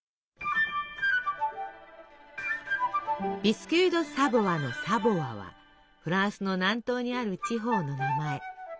ビスキュイ・ド・サヴォワの「サヴォワ」はフランスの南東にある地方の名前。